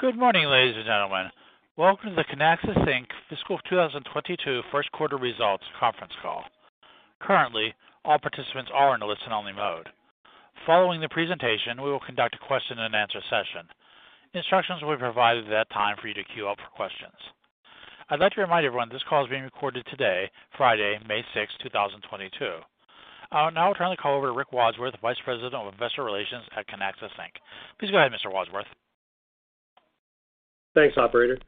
Good morning, ladies and gentlemen. Welcome to the Kinaxis Inc. Fiscal 2022 Q1 results conference call. Currently, all participants are in a listen-only mode. Following the presentation, we will conduct a question and answer session. Instructions will be provided at that time for you to queue up for questions. I'd like to remind everyone this call is being recorded today, Friday, May 6, 2022. I'll now turn the call over to Rick Wadsworth, Vice President of Investor Relations at Kinaxis Inc. Please go ahead, Mr. Wadsworth. Thanks, operator.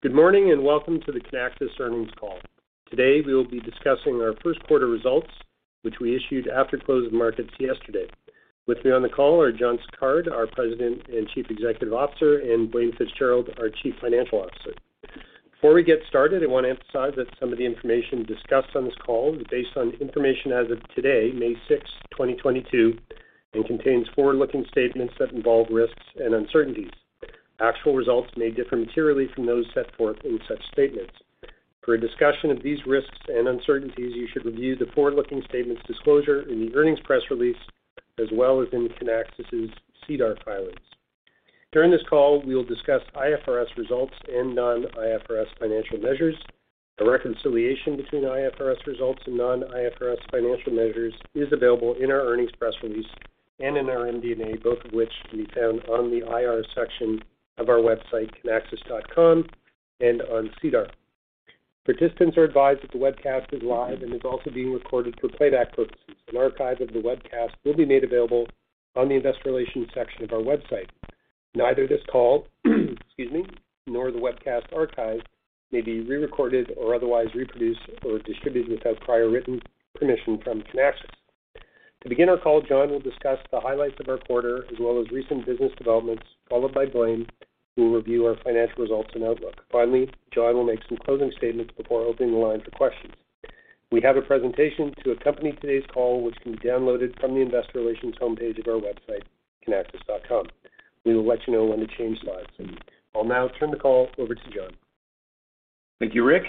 Good morning, and welcome to the Kinaxis earnings call. Today, we will be discussing our Q1 results, which we issued after close of markets yesterday. With me on the call are John Sicard, our President and Chief Executive Officer, and Blaine Fitzgerald, our Chief Financial Officer. Before we get started, I want to emphasize that some of the information discussed on this call is based on information as of today, May sixth, 2022, and contains forward-looking statements that involve risks and uncertainties. Actual results may differ materially from those set forth in such statements. For a discussion of these risks and uncertainties, you should review the forward-looking statements disclosure in the earnings press release, as well as in Kinaxis' SEDAR filings. During this call, we will discuss IFRS results and non-IFRS financial measures. A reconciliation between IFRS results and non-IFRS financial measures is available in our earnings press release and in our MD&A, both of which can be found on the IR section of our website, kinaxis.com, and on SEDAR. Participants are advised that the webcast is live and is also being recorded for playback purposes. An archive of the webcast will be made available on the investor relations section of our website. Neither this call, excuse me, nor the webcast archive may be re-recorded or otherwise reproduced or distributed without prior written permission from Kinaxis. To begin our call, John will discuss the highlights of our quarter as well as recent business developments, followed by Blaine, who will review our financial results and outlook. Finally, John will make some closing statements before opening the line for questions. We have a presentation to accompany today's call, which can be downloaded from the investor relations homepage of our website, kinaxis.com. We will let you know when to change slides. I'll now turn the call over to John. Thank you, Rick.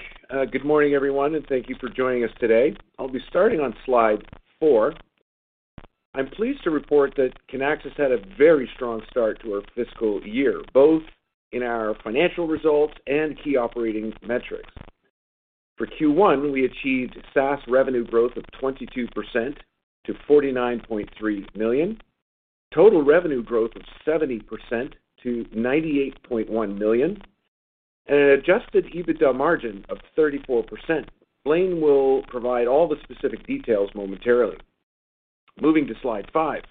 Good morning, everyone, and thank you for joining us today. I'll be starting on slide four. I'm pleased to report that Kinaxis had a very strong start to our fiscal year, both in our financial results and key operating metrics. For Q1, we achieved SaaS revenue growth of 22% to $49.3 million, total revenue growth of 70% to $98.1 million, and an adjusted EBITDA margin of 34%. Blaine will provide all the specific details momentarily. Moving to slide five.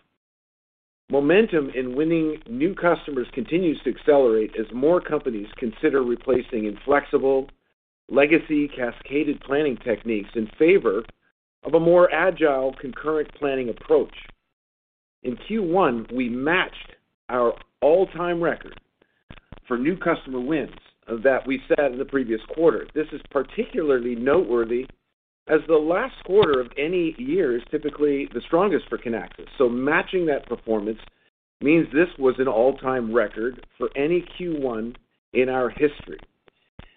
Momentum in winning new customers continues to accelerate as more companies consider replacing inflexible legacy cascaded planning techniques in favor of a more agile concurrent planning approach. In Q1, we matched our all-time record for new customer wins that we set in the previous quarter. This is particularly noteworthy as the last quarter of any year is typically the strongest for Kinaxis. Matching that performance means this was an all-time record for any Q1 in our history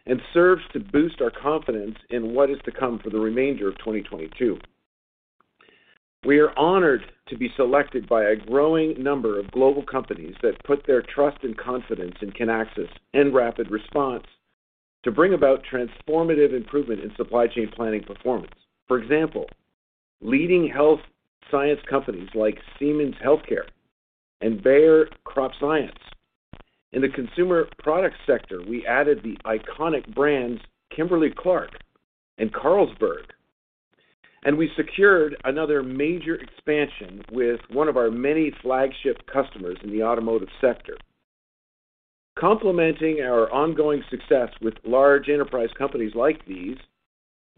and serves to boost our confidence in what is to come for the remainder of 2022. We are honored to be selected by a growing number of global companies that put their trust and confidence in Kinaxis and RapidResponse to bring about transformative improvement in supply chain planning performance. For example, leading health science companies like Siemens Healthineers and Bayer CropScience. In the consumer products sector, we added the iconic brands Kimberly-Clark and Carlsberg, and we secured another major expansion with one of our many flagship customers in the automotive sector. Complementing our ongoing success with large enterprise companies like these,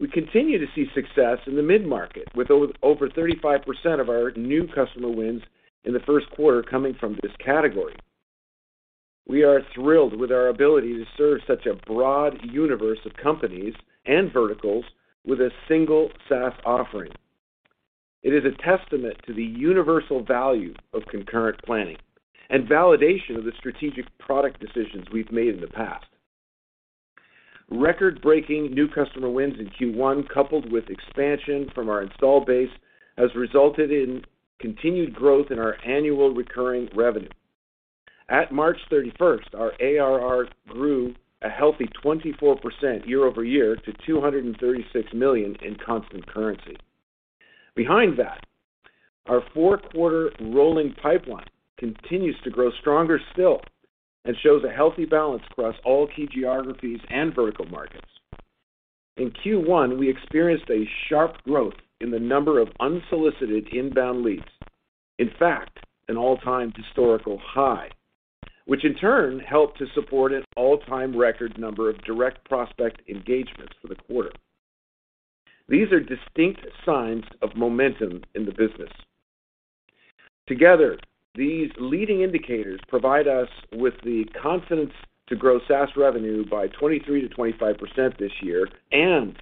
we continue to see success in the mid-market, with over 35% of our new customer wins in the Q1 coming from this category. We are thrilled with our ability to serve such a broad universe of companies and verticals with a single SaaS offering. It is a testament to the universal value of concurrent planning and validation of the strategic product decisions we've made in the past. Record-breaking new customer wins in Q1, coupled with expansion from our install base, has resulted in continued growth in our annual recurring revenue. At March 31st, our ARR grew a healthy 24% year-over-year to 236 million in constant currency. Behind that, our Q4 rolling pipeline continues to grow stronger still and shows a healthy balance across all key geographies and vertical markets. In Q1, we experienced a sharp growth in the number of unsolicited inbound leads, in fact, an all-time historical high, which in turn helped to support an all-time record number of direct prospect engagements for the quarter. These are distinct signs of momentum in the business. Together, these leading indicators provide us with the confidence to grow SaaS revenue by 23%-25% this year and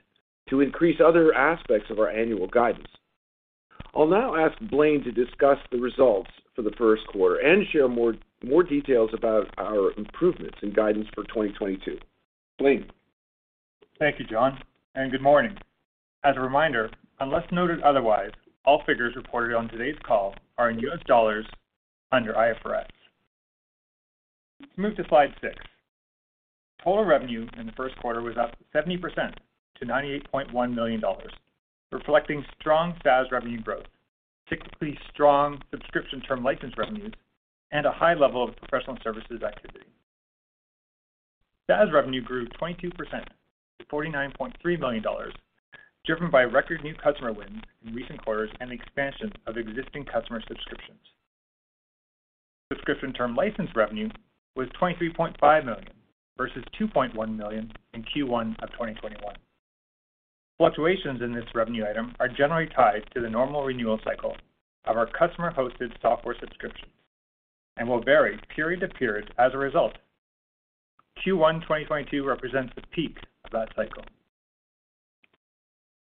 to increase other aspects of our annual guidance. I'll now ask Blaine to discuss the results for the Q1 and share more details about our improvements in guidance for 2022. Blaine? Thank you, John, and good morning. As a reminder, unless noted otherwise, all figures reported on today's call are in US dollars under IFRS. Move to slide six. Total revenue in the Q1 was up 70% to $98.1 million, reflecting strong SaaS revenue growth, particularly strong subscription term license revenues, and a high level of professional services activity. SaaS revenue grew 22% to $49.3 million, driven by record new customer wins in recent quarters and the expansion of existing customer subscriptions. Subscription term license revenue was $23.5 million versus $2.1 million in Q1 of 2021. Fluctuations in this revenue item are generally tied to the normal renewal cycle of our customer-hosted software subscriptions, and will vary period to period as a result. Q1 2022 represents the peak of that cycle.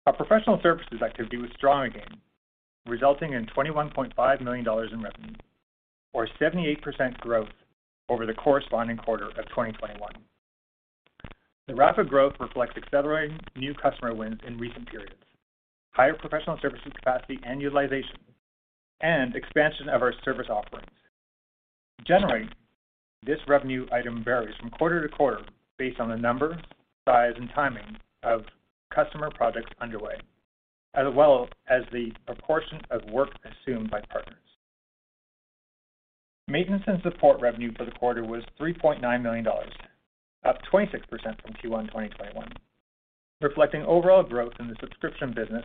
Our professional services activity was strong again, resulting in $21.5 million in revenue, or 78% growth over the corresponding quarter of 2021. The rapid growth reflects accelerating new customer wins in recent periods, higher professional services capacity and utilization, and expansion of our service offerings. Generally, this revenue item varies from quarter to quarter based on the number, size, and timing of customer projects underway, as well as the proportion of work assumed by partners. Maintenance and support revenue for the quarter was $3.9 million, up 26% from Q1 2021, reflecting overall growth in the subscription business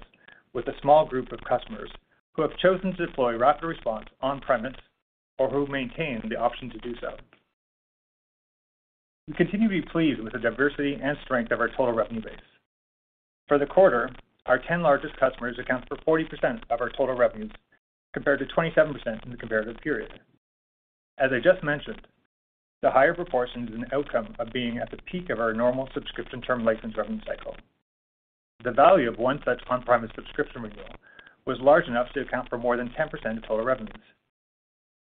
with a small group of customers who have chosen to deploy RapidResponse on-premise or who maintain the option to do so. We continue to be pleased with the diversity and strength of our total revenue base. For the quarter, our 10 largest customers account for 40% of our total revenues, compared to 27% in the comparative period. As I just mentioned, the higher proportion is an outcome of being at the peak of our normal subscription term license revenue cycle. The value of one such on-premise subscription renewal was large enough to account for more than 10% of total revenues.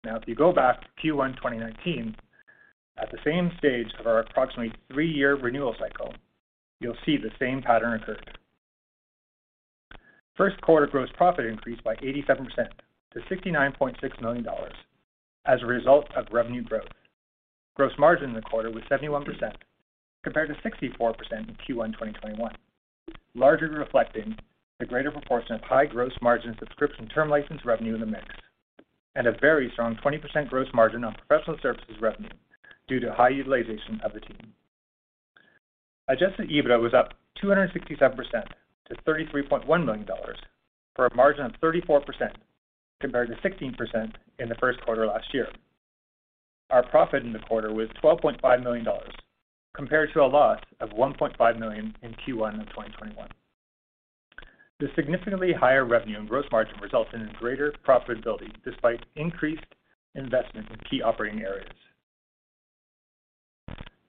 Now, if you go back to Q1 2019, at the same stage of our approximately 3-year renewal cycle, you'll see the same pattern occurred. First quarter gross profit increased by 87% to $69.6 million as a result of revenue growth. Gross margin in the quarter was 71% compared to 64% in Q1 2021, largely reflecting the greater proportion of high gross margin subscription term license revenue in the mix, and a very strong 20% gross margin on professional services revenue due to high utilization of the team. Adjusted EBITDA was up 267% to $33.1 million, for a margin of 34% compared to 16% in the Q1 last year. Our profit in the quarter was $12.5 million compared to a loss of $1.5 million in Q1 of 2021. The significantly higher revenue and gross margin resulted in greater profitability despite increased investment in key operating areas.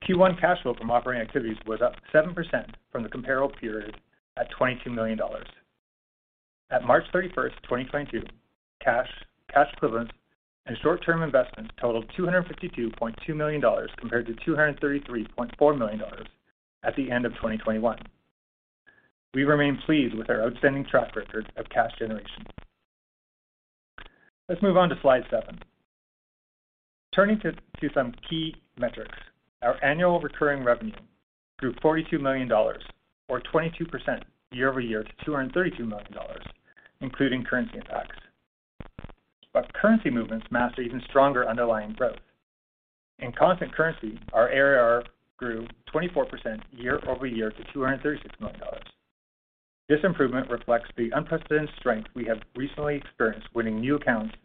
Q1 cash flow from operating activities was up 7% from the comparable period at $22 million. At March 31, 2022, cash equivalents, and short-term investments totaled $252.2 million compared to $233.4 million at the end of 2021. We remain pleased with our outstanding track record of cash generation. Let's move on to slide seven. Turning to some key metrics. Our annual recurring revenue grew $42 million or 22% year-over-year to $232 million, including currency impacts. Currency movements mask even stronger underlying growth. In constant currency, our ARR grew 24% year-over-year to $236 million. This improvement reflects the unprecedented strength we have recently experienced winning new accounts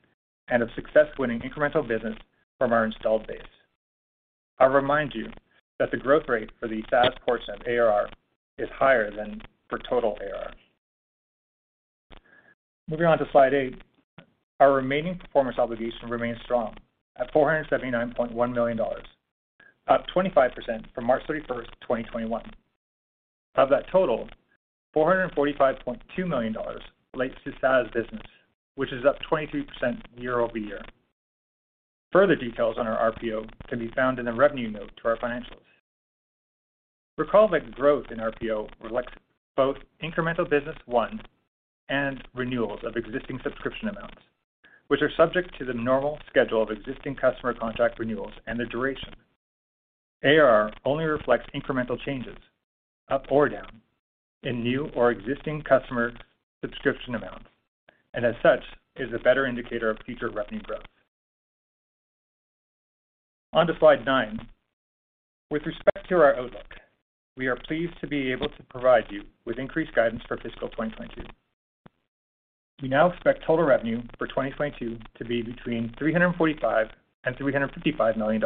and the success winning incremental business from our installed base. I'll remind you that the growth rate for the SaaS portion of ARR is higher than for total ARR. Moving on to slide eight. Our remaining performance obligation remains strong at $479.1 million, up 25% from March thirty-first, 2021. Of that total, $445.2 million relates to SaaS business, which is up 22% year-over-year. Further details on our RPO can be found in the revenue note to our financials. Recall that growth in RPO reflects both incremental business won and renewals of existing subscription amounts, which are subject to the normal schedule of existing customer contract renewals and their duration. ARR only reflects incremental changes, up or down, in new or existing customer subscription amounts, and as such, is a better indicator of future revenue growth. On to slide nine. With respect to our outlook, we are pleased to be able to provide you with increased guidance for fiscal 2022. We now expect total revenue for 2022 to be between $345 million and $355 million.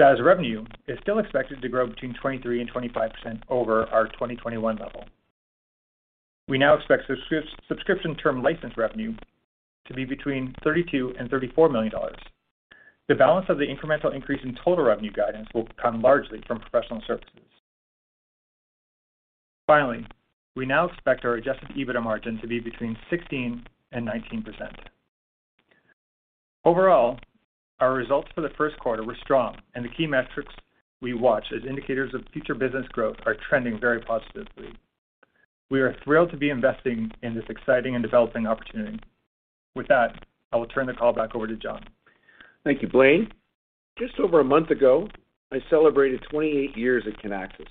SaaS revenue is still expected to grow between 23% and 25% over our 2021 level. We now expect subscription term license revenue to be between $32 million and $34 million. The balance of the incremental increase in total revenue guidance will come largely from professional services. Finally, we now expect our adjusted EBITDA margin to be between 16% and 19%. Overall, our results for the Q1 were strong, and the key metrics we watch as indicators of future business growth are trending very positively. We are thrilled to be investing in this exciting and developing opportunity. With that, I will turn the call back over to John. Thank you, Blaine. Just over a month ago, I celebrated 28 years at Kinaxis.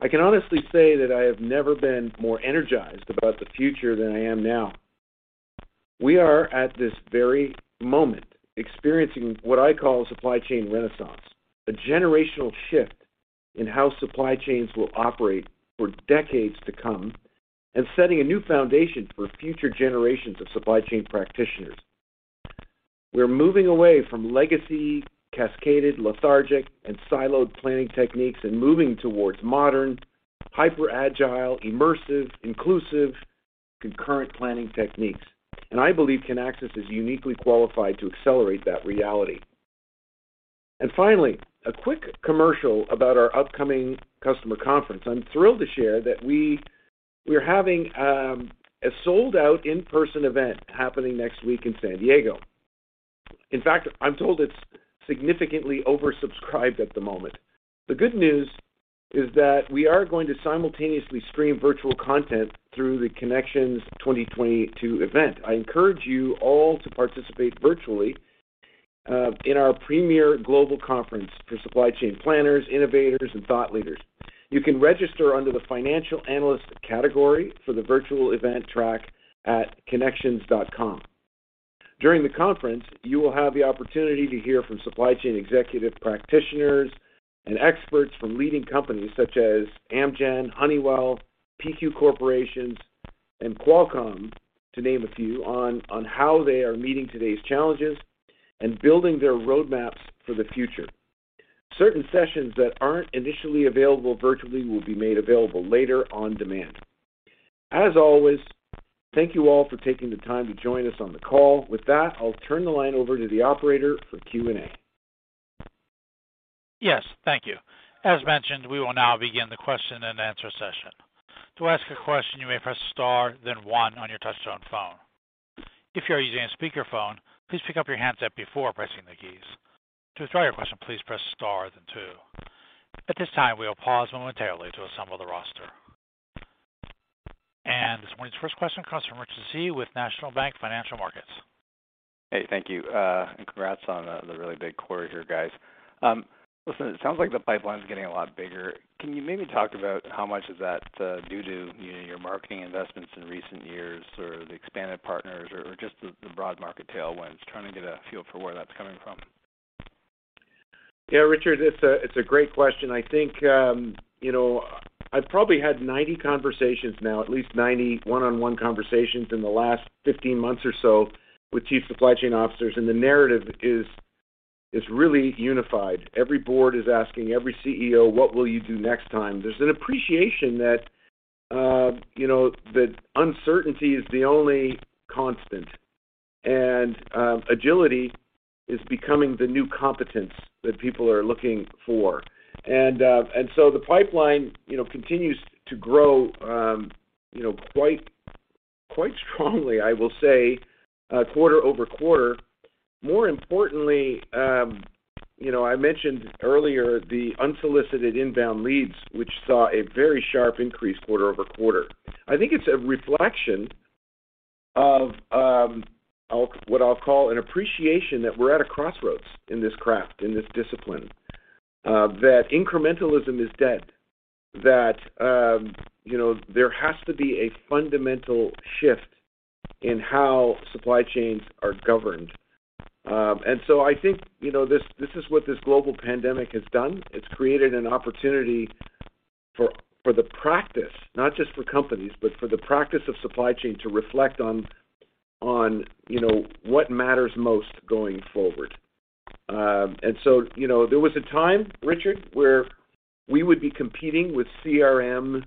I can honestly say that I have never been more energized about the future than I am now. We are, at this very moment, experiencing what I call supply chain renaissance, a generational shift in how supply chains will operate for decades to come, and setting a new foundation for future generations of supply chain practitioners. We're moving away from legacy cascaded, lethargic, and siloed planning techniques and moving towards modern, hyper agile, immersive, inclusive, concurrent planning techniques. I believe Kinaxis is uniquely qualified to accelerate that reality. Finally, a quick commercial about our upcoming customer conference. I'm thrilled to share that we're having a sold-out in-person event happening next week in San Diego. In fact, I'm told it's significantly oversubscribed at the moment. The good news is that we are going to simultaneously stream virtual content through the Kinexions '22 event. I encourage you all to participate virtually in our premier global conference for supply chain planners, innovators, and thought leaders. You can register under the financial analyst category for the virtual event track at Kinexions.com. During the conference, you will have the opportunity to hear from supply chain executive practitioners and experts from leading companies such as Amgen, Honeywell, PQ Corporation, and Qualcomm, to name a few, on how they are meeting today's challenges and building their roadmaps for the future. Certain sessions that aren't initially available virtually will be made available later on demand. As always, thank you all for taking the time to join us on the call. With that, I'll turn the line over to the operator for Q&A. Yes, thank you. As mentioned, we will now begin the question and answer session. To ask a question, you may press star, then one on your touchtone phone. If you are using a speakerphone, please pick up your handset before pressing the keys. To withdraw your question, please press star then two. At this time, we will pause momentarily to assemble the roster. This morning's first question comes from Richard Tse with National Bank Financial Markets. Hey, thank you. Congrats on the really big quarter here, guys. Listen, it sounds like the pipeline's getting a lot bigger. Can you maybe talk about how much is that due to, you know, your marketing investments in recent years, or the expanded partners or just the broad market tailwinds? Trying to get a feel for where that's coming from. Yeah, Richard, it's a great question. I think, you know, I've probably had 90 conversations now, at least 90 one-on-one conversations in the last 15 months or so with chief supply chain officers, and the narrative is really unified. Every board is asking every CEO, "What will you do next time?" There's an appreciation that, you know, that uncertainty is the only constant, and agility is becoming the new competence that people are looking for. The pipeline, you know, continues to grow, you know, quite strongly I will say, quarter-over-quarter. More importantly, you know, I mentioned earlier the unsolicited inbound leads, which saw a very sharp increase quarter-over-quarter. I think it's a reflection of what I'll call an appreciation that we're at a crossroads in this craft, in this discipline, that incrementalism is dead. That, you know, there has to be a fundamental shift in how supply chains are governed. I think, you know, this is what this global pandemic has done. It's created an opportunity for the practice, not just for companies, but for the practice of supply chain to reflect on, you know, what matters most going forward. You know, there was a time, Richard, where we would be competing with CRM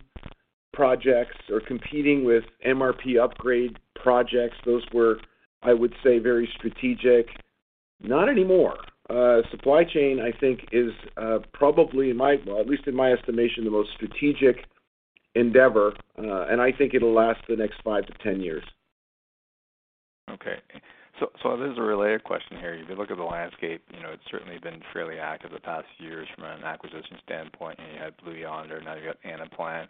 projects or competing with MRP upgrade projects. Those were, I would say, very strategic. Not anymore. Supply chain, I think, is probably my. Well, at least in my estimation, the most strategic endeavor, and I think it'll last the next 5-10 years. Okay. This is a related question here. If you look at the landscape, you know, it's certainly been fairly active the past few years from an acquisition standpoint. You know, you had Blue Yonder, now you got Anaplan.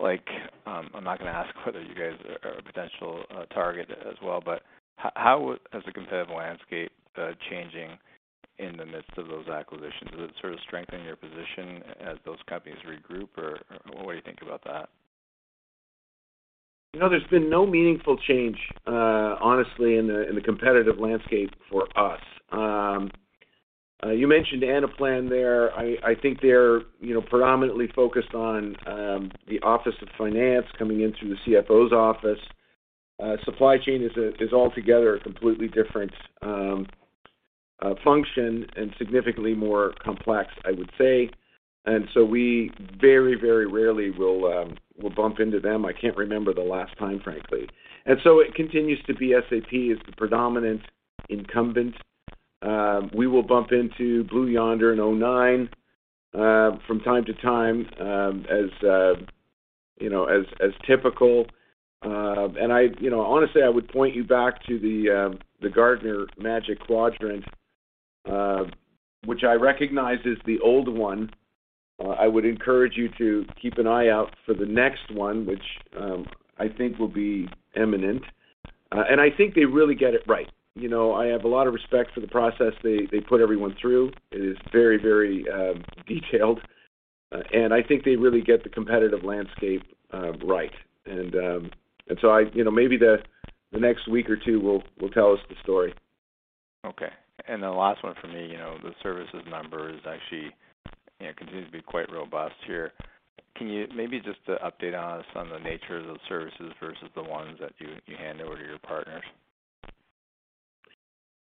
Like, I'm not gonna ask whether you guys are a potential target as well, but how is the competitive landscape changing in the midst of those acquisitions? Does it sort of strengthen your position as those companies regroup, or what do you think about that? You know, there's been no meaningful change, honestly, in the competitive landscape for us. You mentioned Anaplan there. I think they're, you know, predominantly focused on the office of finance coming in through the CFO's office. Supply chain is altogether a completely different function and significantly more complex, I would say. We very rarely will bump into them. I can't remember the last time, frankly. It continues to be, SAP is the predominant incumbent. We will bump into Blue Yonder and o9 from time to time, you know, as typical. You know, honestly, I would point you back to the Gartner Magic Quadrant, which I recognize is the old one. I would encourage you to keep an eye out for the next one, which I think will be imminent. I think they really get it right. You know, I have a lot of respect for the process they put everyone through. It is very detailed. I think they really get the competitive landscape right. You know, maybe the next week or two will tell us the story. Okay. The last one for me, you know, the services number is actually, you know, continues to be quite robust here. Can you maybe just update us on the nature of those services versus the ones that you hand over to your partners?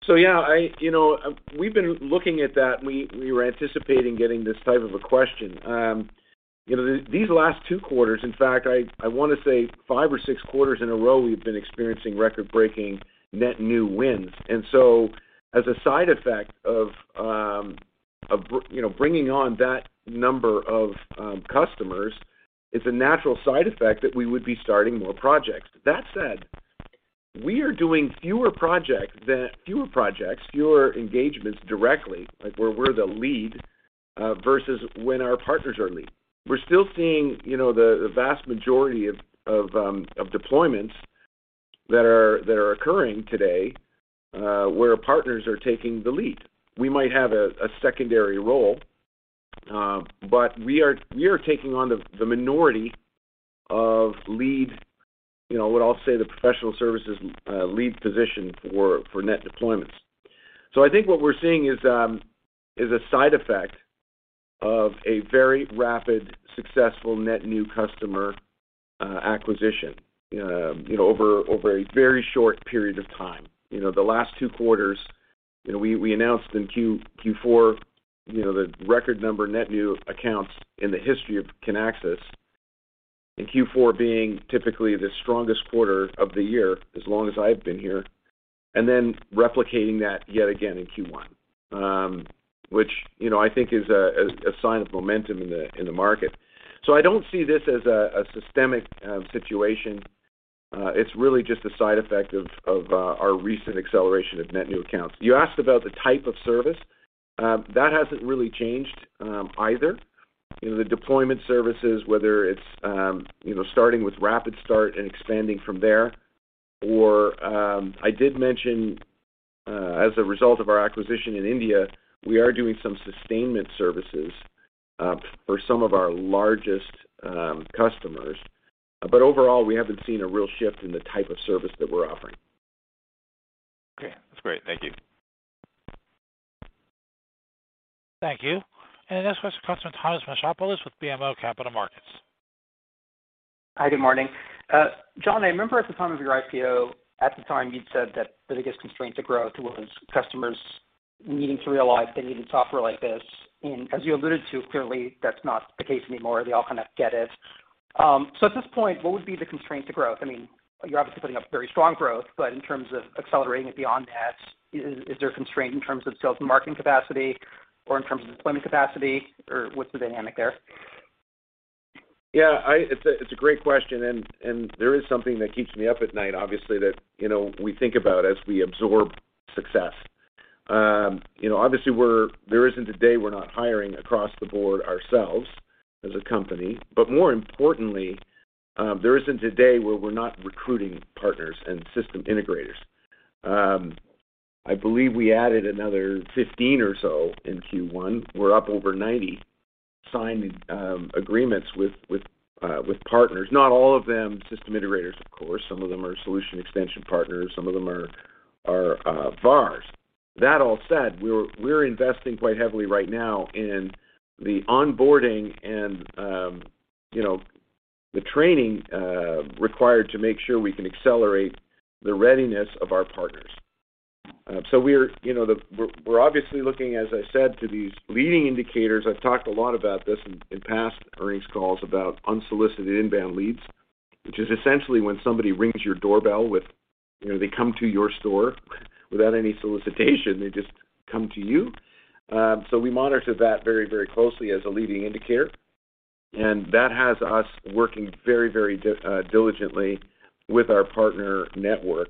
Yeah, you know, we've been looking at that. We were anticipating getting this type of a question. You know, these last Q2, in fact, I wanna say five of Q6 in a row, we've been experiencing record-breaking net new wins. As a side effect of, you know, bringing on that number of customers, it's a natural side effect that we would be starting more projects. That said, we are doing fewer projects, fewer engagements directly, like where we're the lead, versus when our partners are lead. We're still seeing, you know, the vast majority of deployments that are occurring today, where our partners are taking the lead. We might have a secondary role, but we are taking on the minority of lead, you know, what I'll say the professional services lead position for net deployments. I think what we're seeing is a side effect of a very rapid, successful net new customer acquisition, you know, over a very short period of time. You know, the last Q2, you know, we announced in Q4 the record number net new accounts in the history of Kinaxis, and Q4 being typically the strongest quarter of the year as long as I've been here, and then replicating that yet again in Q1, which, you know, I think is a sign of momentum in the market. I don't see this as a systemic situation. It's really just a side effect of our recent acceleration of net new accounts. You asked about the type of service. That hasn't really changed, either. You know, the deployment services, whether it's you know, starting with RapidStart and expanding from there or I did mention, as a result of our acquisition in India, we are doing some sustainment services for some of our largest customers. Overall, we haven't seen a real shift in the type of service that we're offering. Okay, that's great. Thank you. Thank you. Next question comes from Thanos Moschopoulos with BMO Capital Markets. Hi, good morning. John, I remember at the time of your IPO, you'd said that the biggest constraint to growth was customers needing to realize they needed software like this. As you alluded to, clearly, that's not the case anymore. They all kind of get it. At this point, what would be the constraint to growth? I mean, you're obviously putting up very strong growth, but in terms of accelerating it beyond that, is there a constraint in terms of sales and marketing capacity or in terms of deployment capacity or what's the dynamic there? It's a great question, and there is something that keeps me up at night, obviously, that, you know, we think about as we absorb success. You know, obviously, there isn't a day we're not hiring across the board ourselves as a company. But more importantly, there isn't a day where we're not recruiting partners and system integrators. I believe we added another 15 or so in Q1. We're up over 90 signed agreements with partners. Not all of them system integrators, of course. Some of them are solution extension partners, some of them are VARs. That all said, we're investing quite heavily right now in the onboarding and, you know, the training required to make sure we can accelerate the readiness of our partners. We're, you know, obviously looking, as I said, to these leading indicators. I've talked a lot about this in past earnings calls about unsolicited inbound leads, which is essentially when somebody rings your doorbell with, you know, they come to your store without any solicitation, they just come to you. We monitor that very diligently with our partner network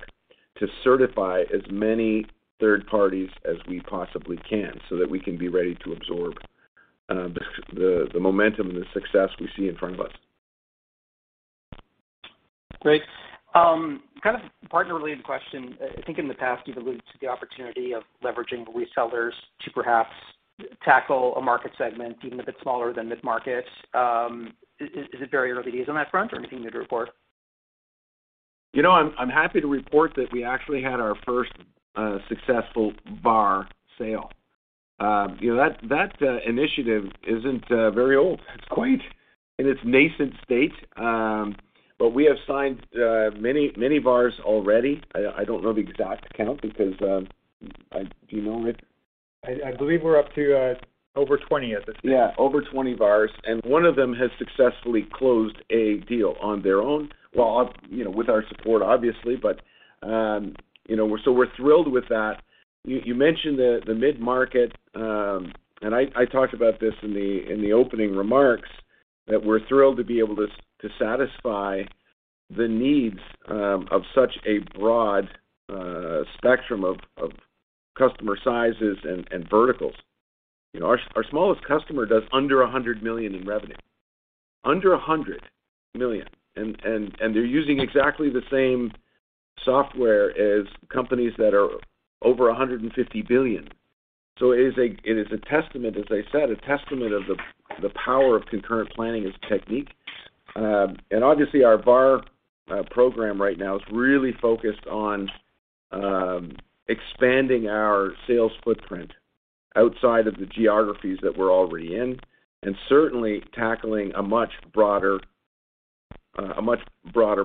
to certify as many third parties as we possibly can so that we can be ready to absorb the momentum and the success we see in front of us. Great. Kind of partner-related question. I think in the past, you've alluded to the opportunity of leveraging resellers to perhaps tackle a market segment, even if it's smaller than mid-market. Is it very early days on that front or anything to report? You know, I'm happy to report that we actually had our first successful VAR sale. You know, that initiative isn't very old. It's quite in its nascent state, but we have signed many VARs already. I don't know the exact count. Do you know it? I believe we're up to over 20 at this point. Yeah, over 20 VARs, and one of them has successfully closed a deal on their own. Well, you know, with our support, obviously. You know, so we're thrilled with that. You mentioned the mid-market, and I talked about this in the opening remarks, that we're thrilled to be able to to satisfy the needs of such a broad spectrum of customer sizes and verticals. You know, our smallest customer does under $100 million in revenue. Under $100 million, and they're using exactly the same software as companies that are over $150 billion. It is a testament, as I said, a testament of the power of concurrent planning as a technique. Obviously our VAR program right now is really focused on expanding our sales footprint outside of the geographies that we're already in, and certainly tackling a much broader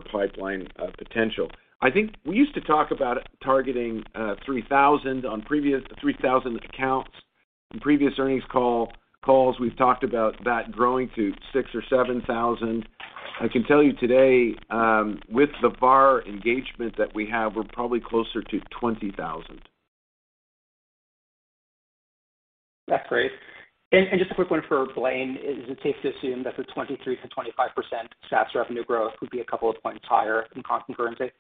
pipeline of potential. I think we used to talk about targeting 3,000 accounts. In previous earnings calls, we've talked about that growing to 6,000 or 7,000. I can tell you today, with the VAR engagement that we have, we're probably closer to 20,000. That's great. Just a quick one for Blaine. Is it safe to assume that the 23%-25% SaaS revenue growth would be a couple of points higher in constant currency?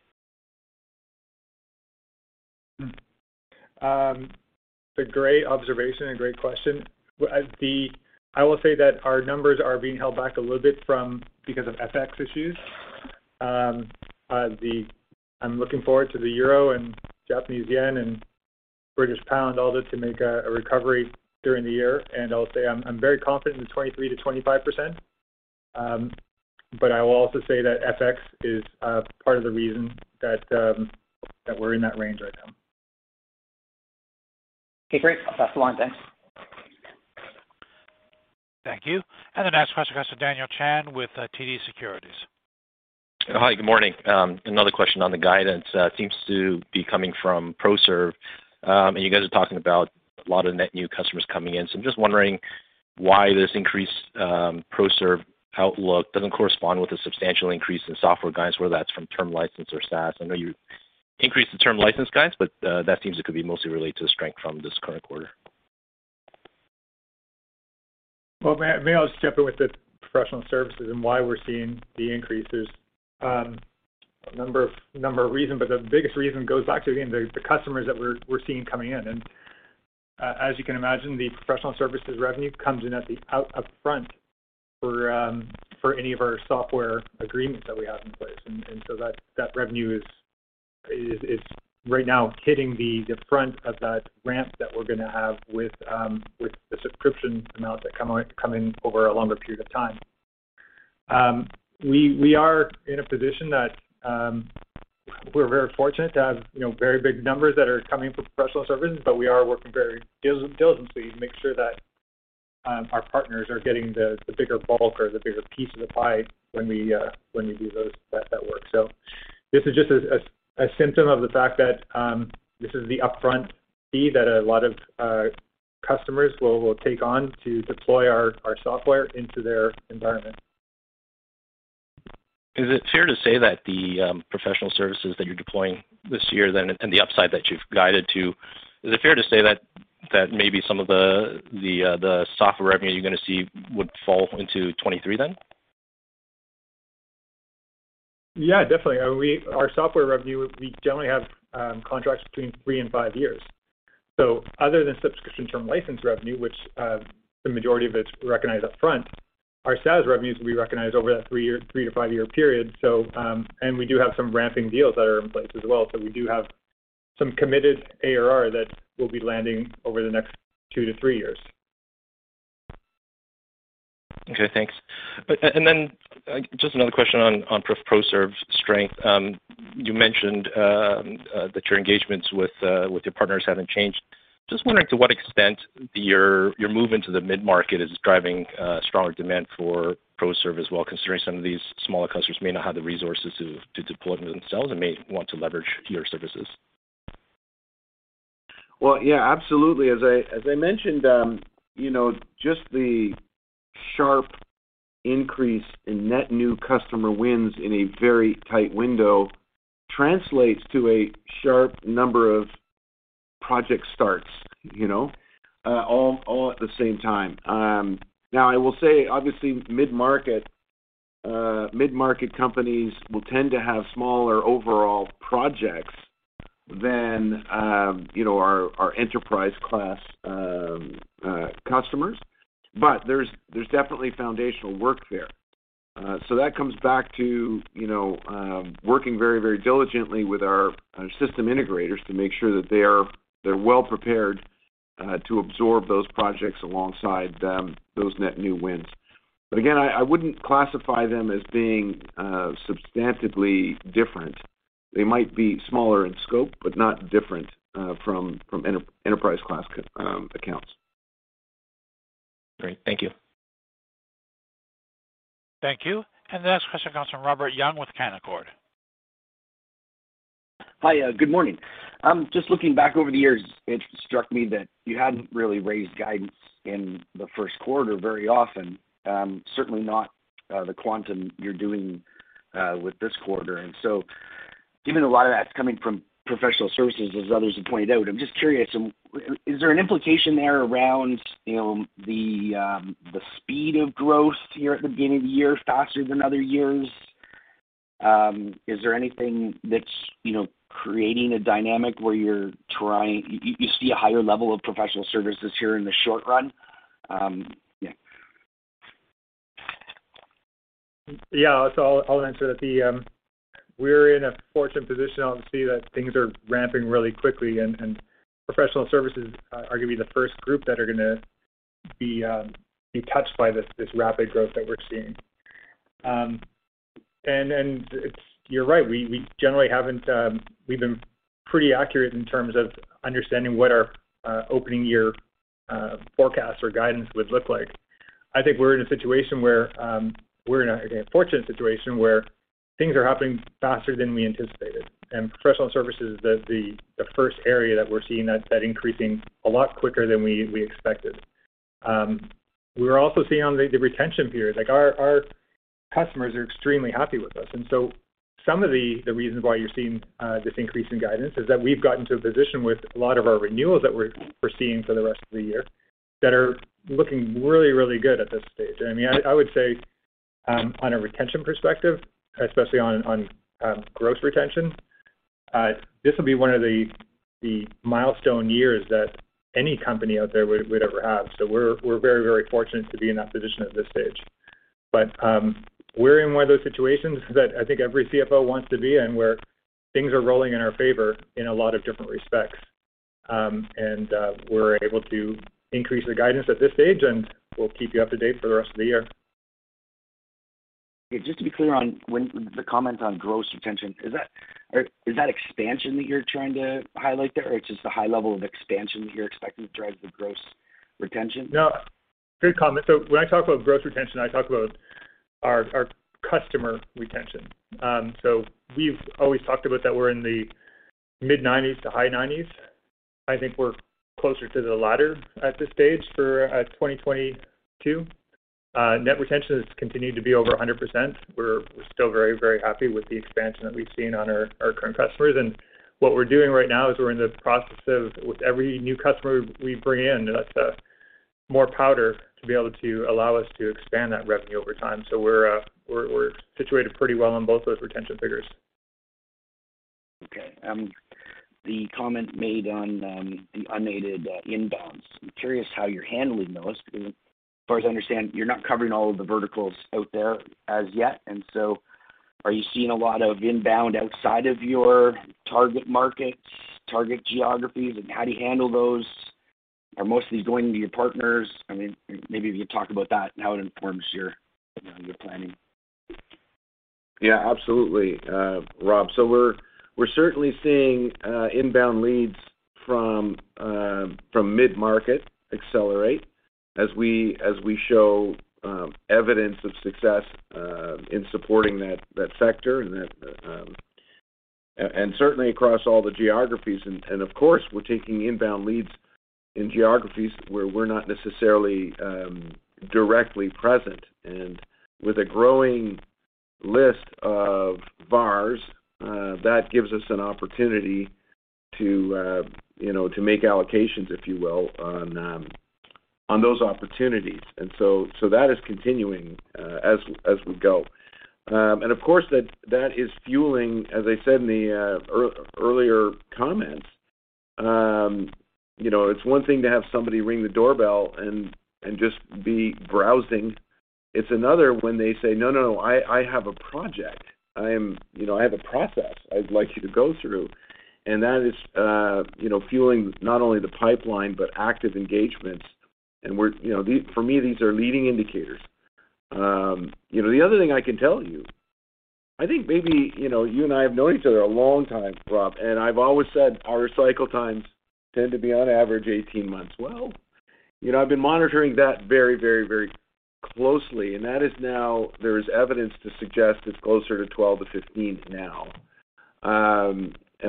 It's a great observation and great question. I will say that our numbers are being held back a little bit from because of FX issues. I'm looking forward to the euro and Japanese yen and British pound, all that to make a recovery during the year. I'll say I'm very confident in the 23%-25%. I will also say that FX is part of the reason that we're in that range right now. Okay, great. I'll pass the line. Thanks. Thank you. The next question goes to Daniel Chan with TD Securities. Hi, good morning. Another question on the guidance seems to be coming from ProServe. You guys are talking about a lot of net new customers coming in, so I'm just wondering why this increased ProServe outlook doesn't correspond with a substantial increase in software guidance, whether that's from term license or SaaS. I know you increased the term license guidance, but that seems it could be mostly related to the strength from this current quarter. Well, may I just jump in with the professional services and why we're seeing the increases. A number of reasons, but the biggest reason goes back to, again, the customers that we're seeing coming in. As you can imagine, the professional services revenue comes in at the upfront for any of our software agreements that we have in place. So that revenue is right now hitting the front of that ramp that we're gonna have with the subscription amounts that come in over a longer period of time. We are in a position that we're very fortunate to have, you know, very big numbers that are coming from professional services, but we are working very diligently to make sure that our partners are getting the bigger bulk or the bigger piece of the pie when we do that work. This is just a symptom of the fact that this is the upfront fee that a lot of customers will take on to deploy our software into their environment. Is it fair to say that the professional services that you're deploying this year then, and the upside that you've guided to, is it fair to say that maybe some of the software revenue you're gonna see would fall into 2023 then? Yeah, definitely. I mean, our software revenue, we generally have contracts between three and five years. Other than subscription term license revenue, which, the majority of it's recognized upfront, our SaaS revenues will be recognized over that three-year, three- to five-year period. We do have some ramping deals that are in place as well. We do have some committed ARR that will be landing over the next two to three years. Okay, thanks. Just another question on ProServe's strength. You mentioned that your engagements with your partners haven't changed. Just wondering to what extent your move into the mid-market is driving stronger demand for ProServe as well, considering some of these smaller customers may not have the resources to deploy it themselves and may want to leverage your services. Well, yeah, absolutely. As I mentioned, you know, just the sharp increase in net new customer wins in a very tight window translates to a sharp number of project starts, you know, all at the same time. Now I will say, obviously, mid-market companies will tend to have smaller overall projects than, you know, our enterprise class customers. But there's definitely foundational work there. So that comes back to, you know, working very diligently with our system integrators to make sure that they're well prepared to absorb those projects alongside them, those net new wins. But again, I wouldn't classify them as being substantively different. They might be smaller in scope, but not different from enterprise class accounts. Great. Thank you. Thank you. The next question comes from Robert Young with Canaccord. Hi, good morning. Just looking back over the years, it struck me that you hadn't really raised guidance in the Q1 very often, certainly not the quantum you're doing with this quarter. Given a lot of that's coming from professional services, as others have pointed out, I'm just curious, is there an implication there around, you know, the speed of growth here at the beginning of the year faster than other years? Is there anything that's, you know, creating a dynamic where you see a higher level of professional services here in the short run? Yeah. Yeah. I'll answer that. We're in a fortunate position obviously that things are ramping really quickly, and professional services are gonna be the first group that are gonna be touched by this rapid growth that we're seeing. You're right. We generally haven't, we've been pretty accurate in terms of understanding what our opening year forecast or guidance would look like. I think we're in a situation where we're in a again fortunate situation where things are happening faster than we anticipated, and professional services is the first area that we're seeing that increasing a lot quicker than we expected. We're also seeing on the retention period, like our customers are extremely happy with us. Some of the reasons why you're seeing this increase in guidance is that we've gotten to a position with a lot of our renewals that we're seeing for the rest of the year that are looking really good at this stage. I mean, I would say on a retention perspective, especially on gross retention, this will be one of the milestone years that any company out there would ever have. We're very fortunate to be in that position at this stage. We're in one of those situations that I think every CFO wants to be in, where things are rolling in our favor in a lot of different respects. We're able to increase the guidance at this stage, and we'll keep you up to date for the rest of the year. Just to be clear on the comment on gross retention, is that expansion that you're trying to highlight there, or it's just the high level of expansion that you're expecting to drive the gross retention? No. Good comment. When I talk about gross retention, I talk about our customer retention. We've always talked about that we're in the mid-90s% to high 90s%. I think we're closer to the latter at this stage for 2022. Net retention has continued to be over 100%. We're still very, very happy with the expansion that we've seen on our current customers. What we're doing right now is we're in the process of, with every new customer we bring in, that's more powder to be able to allow us to expand that revenue over time. We're situated pretty well on both those retention figures. Okay. The comment made on the unaided inbounds. I'm curious how you're handling those because as far as I understand, you're not covering all of the verticals out there as yet. Are you seeing a lot of inbound outside of your target markets, target geographies, and how do you handle those? Are most of these going to your partners? I mean, maybe if you talk about that and how it informs your, you know, your planning. Yeah, absolutely, Rob. So we're certainly seeing inbound leads from mid-market accelerate as we show evidence of success in supporting that sector and that. Certainly across all the geographies. Of course, we're taking inbound leads in geographies where we're not necessarily directly present. With a growing list of VARs, that gives us an opportunity to, you know, to make allocations, if you will, on those opportunities. That is continuing as we go. Of course, that is fueling, as I said in the earlier comments, you know, it's one thing to have somebody ring the doorbell and just be browsing. It's another when they say, "No, no. I have a project. I am... You know, I have a process I'd like you to go through. That is, you know, fueling not only the pipeline, but active engagements. We're, you know, for me, these are leading indicators. You know, the other thing I can tell you, I think maybe, you know, you and I have known each other a long time, Rob, and I've always said our cycle times tend to be on average 18 months. Well, you know, I've been monitoring that very closely, and that is now. There is evidence to suggest it's closer to 12-15 now.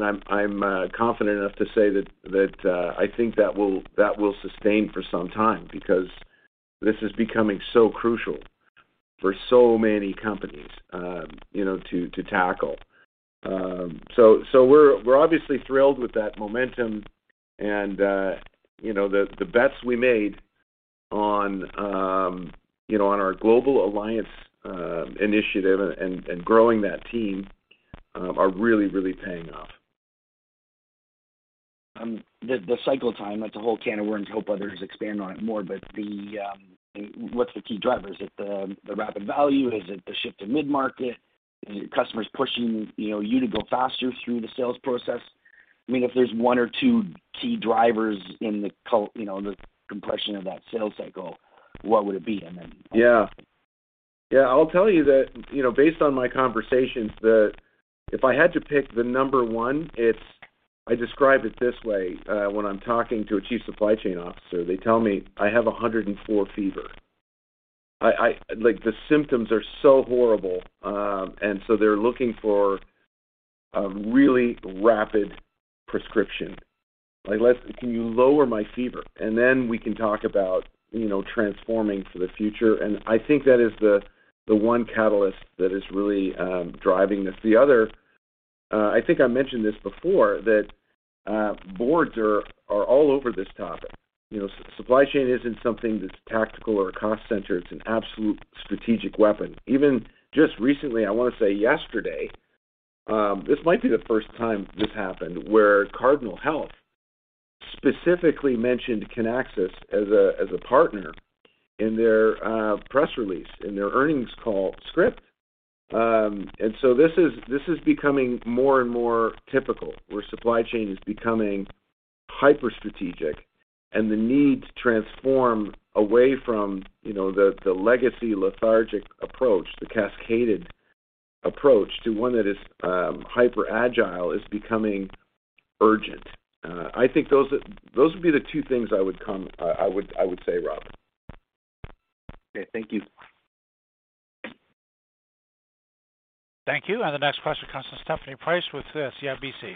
I'm confident enough to say that I think that will sustain for some time because this is becoming so crucial for so many companies, you know, to tackle. We're obviously thrilled with that momentum and, you know, the bets we made on, you know, on our global alliance initiative and growing that team are really paying off. The cycle time, that's a whole can of worms. Hope others expand on it more. What's the key driver? Is it the rapid value? Is it the shift to mid-market? Is it customers pushing, you know, you to go faster through the sales process? I mean, if there's one or two key drivers, you know, the compression of that sales cycle, what would it be? I'll tell you that, you know, based on my conversations, if I had to pick the number one, it's. I describe it this way, when I'm talking to a chief supply chain officer, they tell me, "I have a 104 fever." Like, the symptoms are so horrible, and so they're looking for a really rapid prescription. Like, can you lower my fever? And then we can talk about, you know, transforming for the future. I think that is the one catalyst that is really driving this. The other, I think I mentioned this before, that boards are all over this topic. You know, supply chain isn't something that's tactical or a cost center, it's an absolute strategic weapon. Even just recently, I wanna say yesterday, this might be the first time this happened, where Cardinal Health specifically mentioned Kinaxis as a partner in their press release, in their earnings call script. This is becoming more and more typical, where supply chain is becoming hyper strategic, and the need to transform away from, you know, the legacy lethargic approach, the cascaded approach, to one that is hyper agile, is becoming urgent. I think those are those would be the two things I would say, Rob. Okay. Thank you. Thank you. The next question comes from Stephanie Price with CIBC.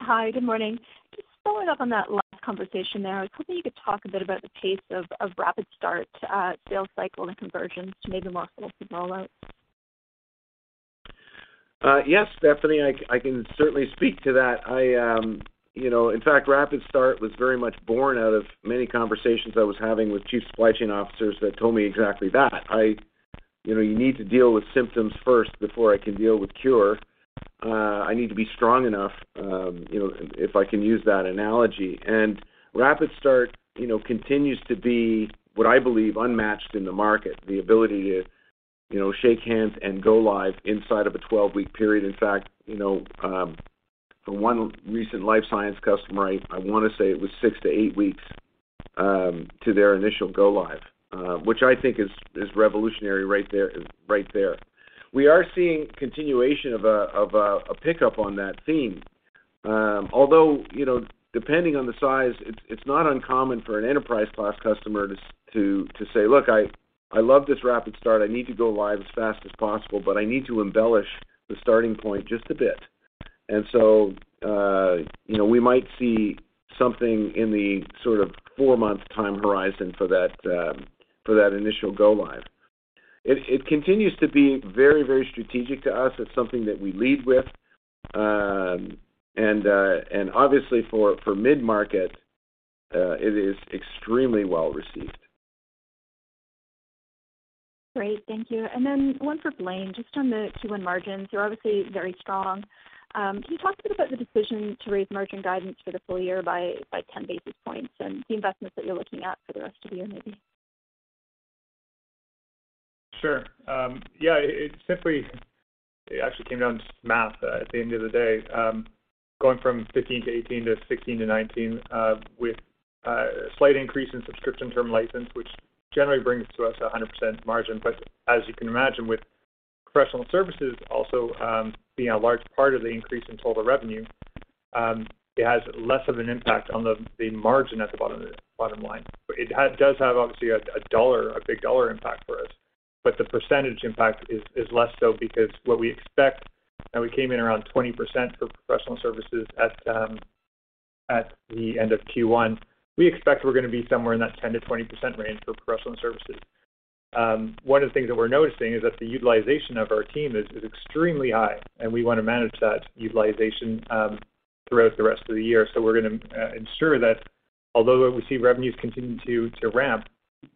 Hi, good morning. Just following up on that last conversation there, I was hoping you could talk a bit about the pace of RapidStart sales cycle and conversions to maybe more full rollouts? Yes, Stephanie, I can certainly speak to that. You know, in fact, RapidStart was very much born out of many conversations I was having with chief supply chain officers that told me exactly that. "You know, you need to deal with symptoms first before I can deal with cure. I need to be strong enough," you know, if I can use that analogy. RapidStart continues to be, what I believe, unmatched in the market, the ability to shake hands and go live inside of a 12-week period. In fact, you know, for one recent life science customer, I wanna say it was 6-8 weeks to their initial go live, which I think is revolutionary right there. We are seeing continuation of a pickup on that theme. Although, depending on the size, it's not uncommon for an enterprise class customer to say, "Look, I love this RapidStart. I need to go live as fast as possible, but I need to embellish the starting point just a bit." We might see something in the sort of four-month time horizon for that initial go live. It continues to be very, very strategic to us. It's something that we lead with. Obviously for mid-market, it is extremely well received. Great. Thank you. Then one for Blaine, just on the Q1 margins. They're obviously very strong. Can you talk a bit about the decision to raise margin guidance for the full year by 10 basis points, and the investments that you're looking at for the rest of the year, maybe? Sure. Yeah, it actually came down to just math at the end of the day. Going from 15% to 18% to 16% to 19%, with a slight increase in subscription term license, which generally brings to us a 100% margin. But as you can imagine, with professional services also being a large part of the increase in total revenue, it has less of an impact on the margin at the bottom line. It does have obviously a big dollar impact for us, but the percentage impact is less so because what we expect, and we came in around 20% for professional services at the end of Q1. We expect we're gonna be somewhere in that 10%-20% range for professional services. One of the things that we're noticing is that the utilization of our team is extremely high, and we wanna manage that utilization throughout the rest of the year. We're gonna ensure that although we see revenues continuing to ramp,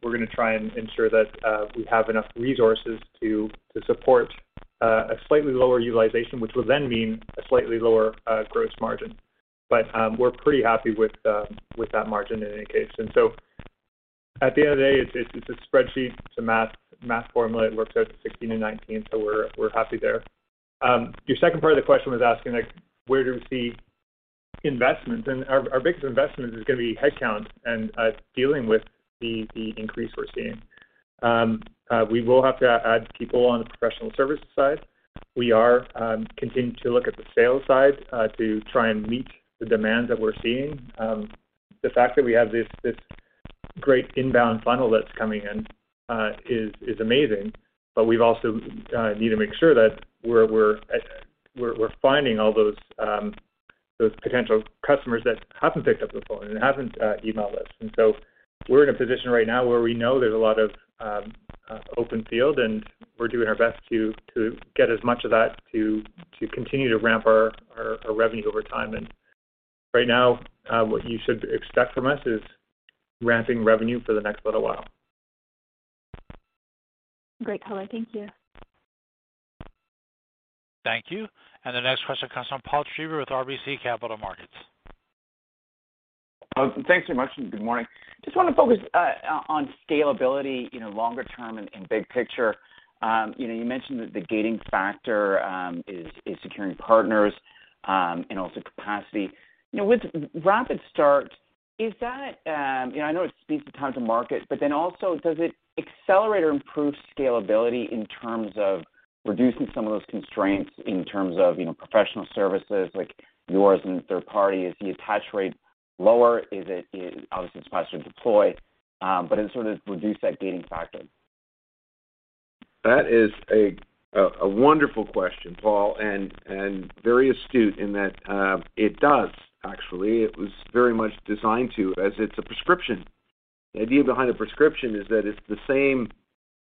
we're gonna try and ensure that we have enough resources to support a slightly lower utilization, which will then mean a slightly lower gross margin. We're pretty happy with that margin in any case. At the end of the day, it's a spreadsheet. It's a math formula. It works out to 16%-19%, so we're happy there. Your second part of the question was asking, like, where do we see investment? Our biggest investment is gonna be headcount and dealing with the increase we're seeing. We will have to add people on the professional services side. We are continuing to look at the sales side to try and meet the demand that we're seeing. The fact that we have this great inbound funnel that's coming in is amazing, but we've also need to make sure that we're finding all those potential customers that haven't picked up the phone and haven't emailed us. We're in a position right now where we know there's a lot of open field, and we're doing our best to get as much of that to continue to ramp our revenue over time. Right now, what you should expect from us is ramping revenue for the next little while. Great color. Thank you. Thank you. The next question comes from Paul Treiber with RBC Capital Markets. Thanks so much, and good morning. Just wanna focus on scalability, you know, longer term and big picture. You know, you mentioned that the gating factor is securing partners and also capacity. You know, with RapidStart, is that. You know, I know it speeds the time to market, but then also does it accelerate or improve scalability in terms of reducing some of those constraints in terms of, you know, professional services like yours and third party? Is the attach rate lower? Is it obviously it's faster to deploy. It sort of reduced that gating factor. That is a wonderful question, Paul, and very astute in that it does actually. It was very much designed to, as it's a prescription. The idea behind a prescription is that it's the same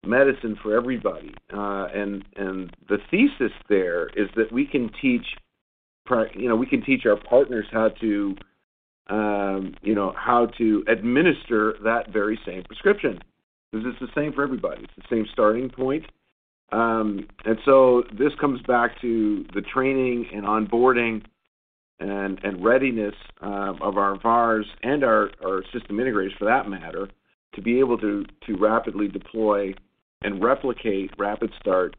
medicine for everybody. The thesis there is that we can teach you know, we can teach our partners how to you know, how to administer that very same prescription 'cause it's the same for everybody. It's the same starting point. This comes back to the training and onboarding and readiness of our VARs and our system integrators for that matter, to be able to rapidly deploy and replicate RapidStart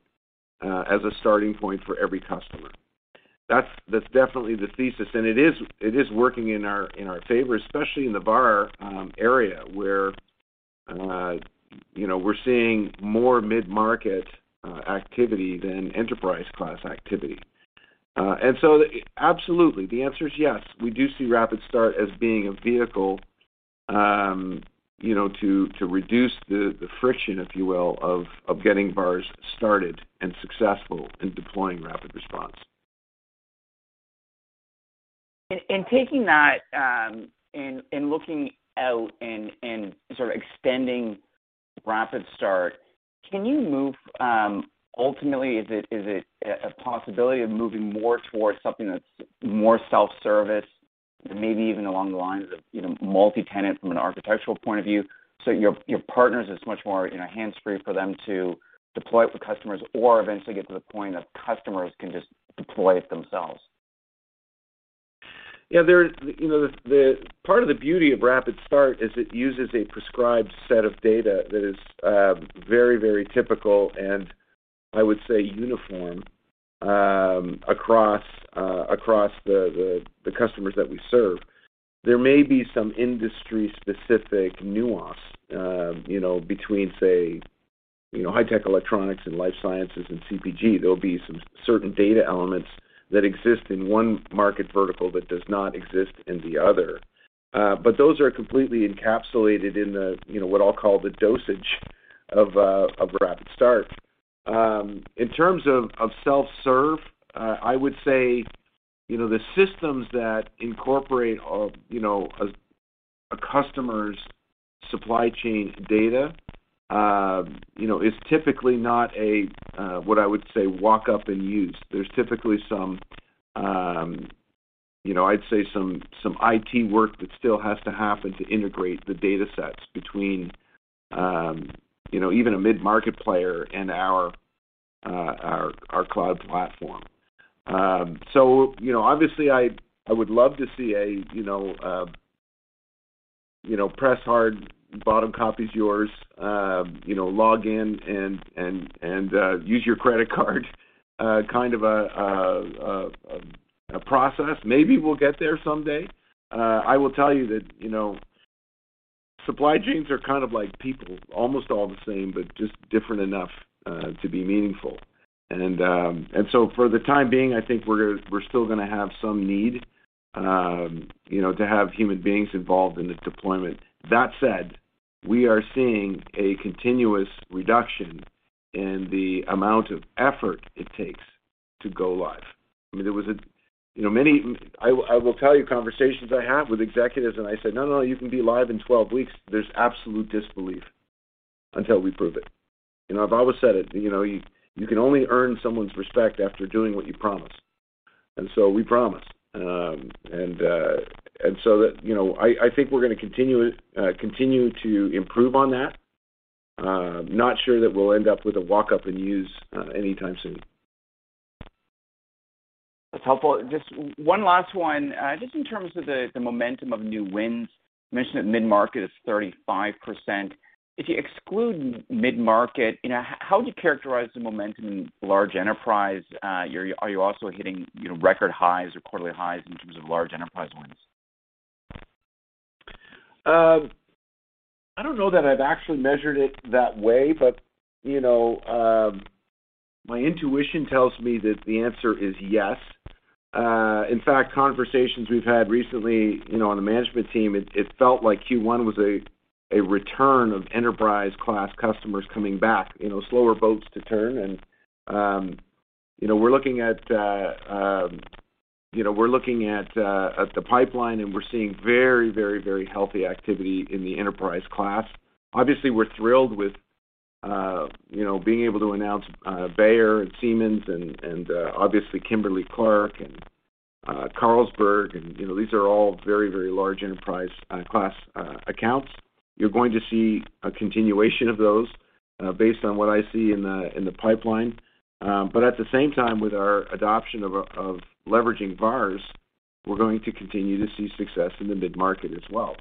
as a starting point for every customer. That's definitely the thesis, and it is working in our favor, especially in the VAR area where, you know, we're seeing more mid-market activity than enterprise class activity. Absolutely. The answer is yes. We do see RapidStart as being a vehicle, you know, to reduce the friction, if you will, of getting VARs started and successful in deploying RapidResponse. Taking that and looking out and sort of extending RapidStart, ultimately is it a possibility of moving more towards something that's more self-service, maybe even along the lines of, you know, multi-tenant from an architectural point of view, so your partners, it's much more, you know, hands-free for them to deploy it for customers or eventually get to the point that customers can just deploy it themselves? You know, the part of the beauty of RapidStart is it uses a prescribed set of data that is very typical, and I would say uniform across the customers that we serve. There may be some industry-specific nuance, you know, between say, you know, high-tech electronics and life sciences and CPG. There'll be some certain data elements that exist in one market vertical but does not exist in the other. Those are completely encapsulated in the, you know, what I'll call the dosage of RapidStart. In terms of self-serve, I would say, you know, the systems that incorporate a customer's supply chain data, you know, is typically not a what I would say walk up and use. There's typically some, you know, I'd say some IT work that still has to happen to integrate the data sets between, you know, even a mid-market player and our cloud platform. You know, obviously I would love to see a, you know, press a button, copy's yours, you know, log in and use your credit card kind of a process. Maybe we'll get there someday. I will tell you that, you know, supply chains are kind of like people, almost all the same, but just different enough to be meaningful. For the time being, I think we're still gonna have some need, you know, to have human beings involved in the deployment. That said, we are seeing a continuous reduction in the amount of effort it takes to go live. I mean, I will tell you conversations I have with executives, and I said, "No, no, you can be live in 12 weeks." There's absolute disbelief until we prove it. You know, I've always said it, you know, you can only earn someone's respect after doing what you promise. We promise. You know, I think we're gonna continue to improve on that. Not sure that we'll end up with a walk up and use anytime soon. That's helpful. Just one last one. Just in terms of the momentum of new wins. You mentioned that mid-market is 35%. If you exclude mid-market, you know, how do you characterize the momentum in large enterprise? Are you also hitting, you know, record highs or quarterly highs in terms of large enterprise wins? I don't know that I've actually measured it that way, but you know, my intuition tells me that the answer is yes. In fact, conversations we've had recently, you know, on the management team, it felt like Q1 was a return of enterprise class customers coming back, you know, slower boats to turn. You know, we're looking at the pipeline, and we're seeing very healthy activity in the enterprise class. Obviously, we're thrilled with you know, being able to announce Bayer and Siemens and obviously Kimberly-Clark and Carlsberg and you know, these are all very large enterprise class accounts. You're going to see a continuation of those based on what I see in the pipeline. At the same time, with our adoption of leveraging VARs, we're going to continue to see success in the mid-market as well.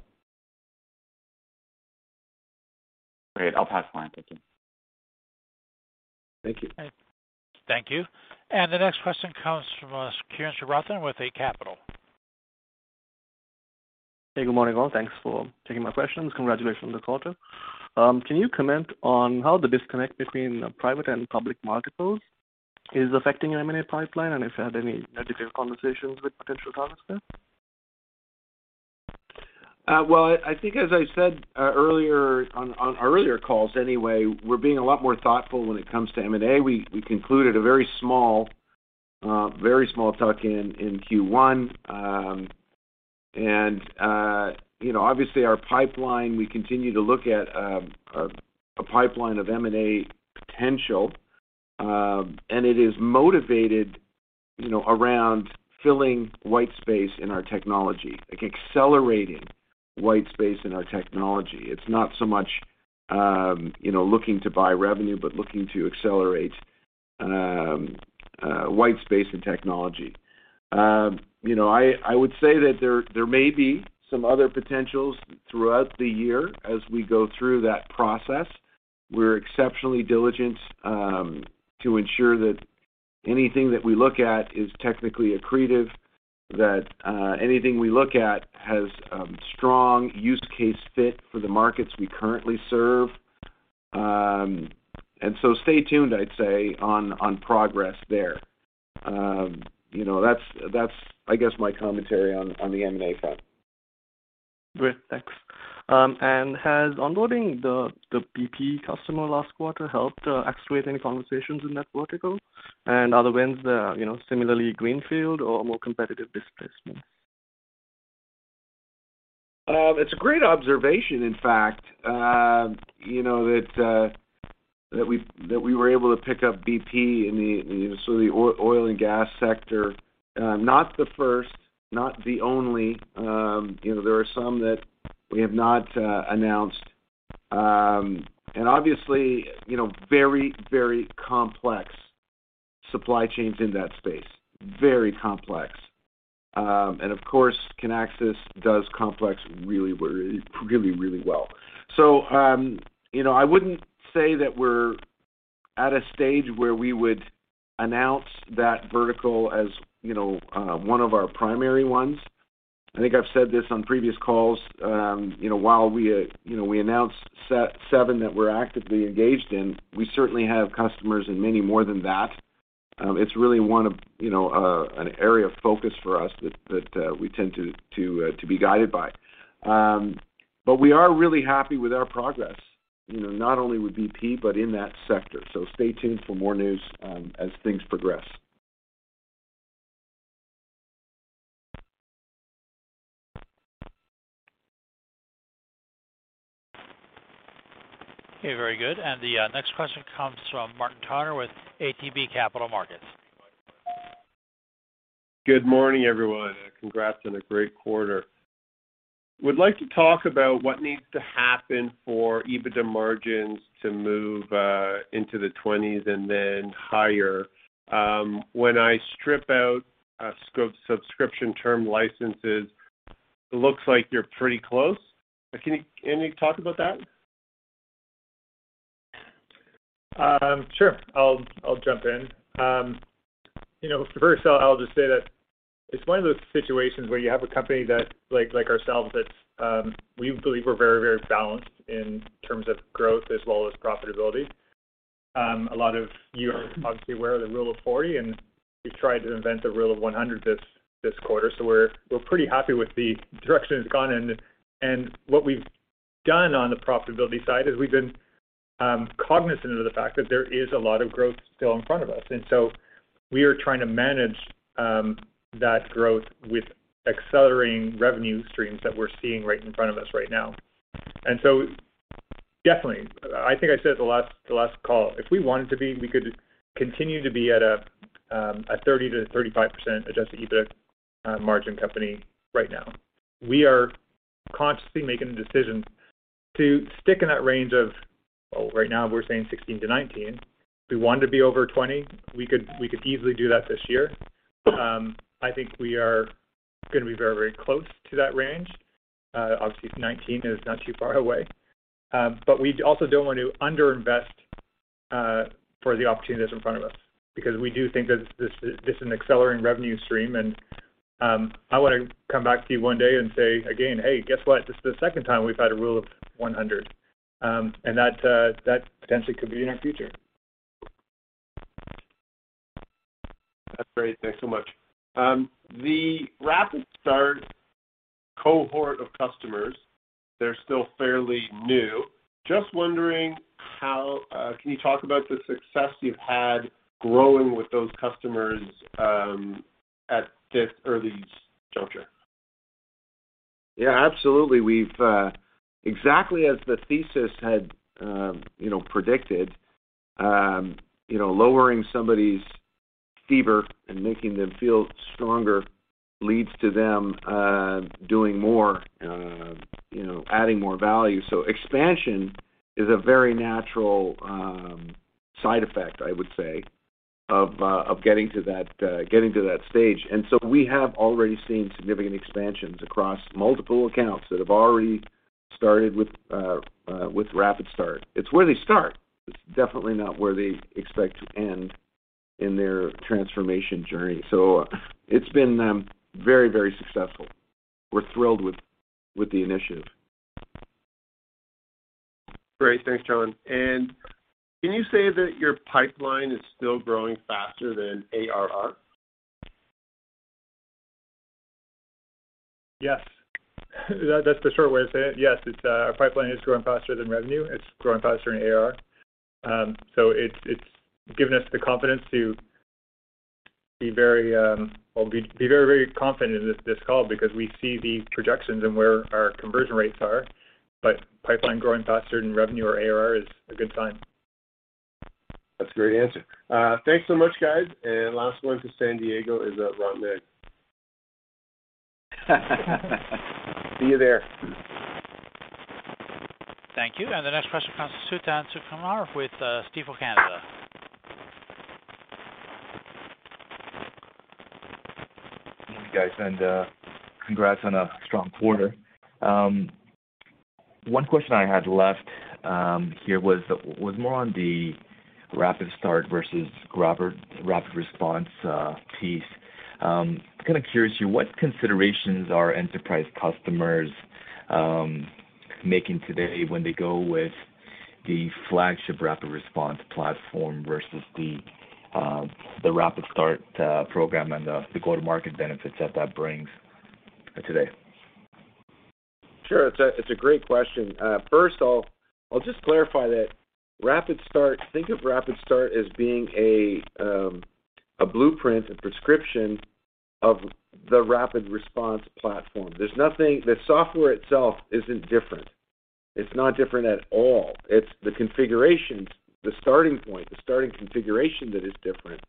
Great. I'll pass the line. Thank you. Thank you. Thank you. The next question comes from Kevin Krishnaratne with Scotia Capital. Hey, good morning, all. Thanks for taking my questions. Congratulations on the quarter. Can you comment on how the disconnect between private and public multiples is affecting M&A pipeline, and if you had any negative conversations with potential targets there? Well, I think as I said earlier on our earlier calls, anyway, we're being a lot more thoughtful when it comes to M&A. We concluded a very small tuck-in in Q1. You know, obviously our pipeline, we continue to look at a pipeline of M&A potential. It is motivated, you know, around filling white space in our technology, like accelerating white space in our technology. It's not so much, you know, looking to buy revenue, but looking to accelerate white space and technology. You know, I would say that there may be some other potentials throughout the year as we go through that process. We're exceptionally diligent to ensure that anything that we look at is technically accretive, that anything we look at has a strong use case fit for the markets we currently serve. Stay tuned, I'd say, on progress there. You know, that's, I guess, my commentary on the M&A front. Great. Thanks. Has onboarding the BP customer last quarter helped actuate any conversations in that vertical? Are the wins there, you know, similarly greenfield or more competitive displacement? It's a great observation, in fact, you know, that we were able to pick up BP in the, you know, so the oil and gas sector. Not the first, not the only. You know, there are some that we have not announced. Obviously, you know, very complex supply chains in that space. Very complex. Of course, Kinaxis does complex really well. You know, I wouldn't say that we're at a stage where we would announce that vertical as, you know, one of our primary ones. I think I've said this on previous calls, you know, while we, you know, we announced seven that we're actively engaged in, we certainly have customers and many more than that. It's really one of, you know, an area of focus for us that we tend to be guided by. We are really happy with our progress, you know, not only with BP, but in that sector. Stay tuned for more news, as things progress. Okay. Very good. The next question comes from Martin Toner with ATB Capital Markets. Good morning, everyone. Congrats on a great quarter. Would like to talk about what needs to happen for EBITDA margins to move into the twenties and then higher. When I strip out subscription term licenses, it looks like you're pretty close. Can you talk about that? Sure. I'll jump in. You know, first I'll just say that it's one of those situations where you have a company that, like ourselves, that we believe we're very balanced in terms of growth as well as profitability. A lot of you are obviously aware of the Rule of 40, and we've tried to invent the rule of 100 this quarter, so we're pretty happy with the direction it's gone. What we've done on the profitability side is we've been cognizant of the fact that there is a lot of growth still in front of us. We are trying to manage that growth with accelerating revenue streams that we're seeing right in front of us right now. Definitely, I think I said the last call, if we wanted to be, we could continue to be at a 30%-35% adjusted EBITDA margin company right now. We are consciously making a decision to stick in that range of, well, right now we're saying 16%-19%. We want to be over 20%. We could easily do that this year. I think we are gonna be very, very close to that range. Obviously 19% is not too far away. But we also don't want to under-invest for the opportunities in front of us because we do think that this is this is an accelerating revenue stream. I want to come back to you one day and say again, "Hey, guess what? This is the second time we've had a Rule of 100. That potentially could be in our future. That's great. Thanks so much. The RapidStart cohort of customers, they're still fairly new. Just wondering how can you talk about the success you've had growing with those customers at this early juncture? Yeah, absolutely. Exactly as the thesis had, you know, predicted, you know, lowering somebody's fever and making them feel stronger leads to them doing more, you know, adding more value. Expansion is a very natural side effect, I would say, of getting to that stage. We have already seen significant expansions across multiple accounts that have already started with RapidStart. It's where they start. It's definitely not where they expect to end in their transformation journey. It's been very, very successful. We're thrilled with the initiative. Great. Thanks, John. Can you say that your pipeline is still growing faster than ARR? Yes. That's the short way to say it. Yes, it's our pipeline is growing faster than revenue. It's growing faster than ARR. So it's given us the confidence to be very, very confident in this call because we see the projections and where our conversion rates are, but pipeline growing faster than revenue or ARR is a good sign. That's a great answer. Thanks so much, guys. Last one to San Diego is Ramneek. See you there. Thank you. The next question comes from Suthan Sukumar with Stifel Canada. Good morning, guys, and congrats on a strong quarter. One question I had left here was more on the RapidStart versus RapidResponse piece. Kind of curious here, what considerations are enterprise customers making today when they go with the flagship RapidResponse platform versus the RapidStart program and the go-to-market benefits that that brings today? Sure. It's a great question. First I'll just clarify that RapidStart. Think of RapidStart as being a blueprint, a prescription of the RapidResponse platform. There's nothing the software itself isn't different. It's not different at all. It's the configurations, the starting point, the starting configuration that is different,